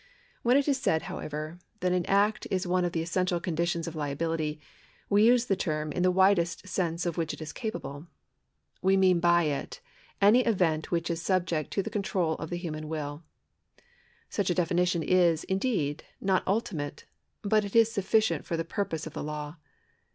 When it in said, however, that an act is one of the essential conditions of liability, we use the term in the widest sense of which it is capable. We mean by it any event which is subject to the control of the human will, ^uch a definition is, indeed, not ultimate, but it is sufficient for the purpose of the law.